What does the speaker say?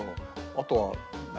あとは何？